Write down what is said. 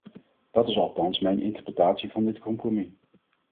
Dat is althans mijn interpretatie van dit compromis.